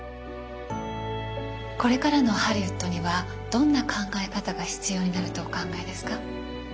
これからのハリウッドにはどんな考え方が必要になるとお考えですか？